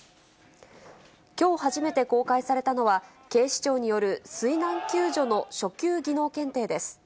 きょう初めて公開されたのは、警視庁による水難救助の初級技能検定です。